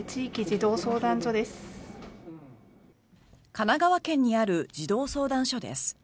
神奈川県にある児童相談所です。